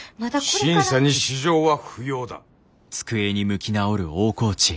審査に私情は不要だ。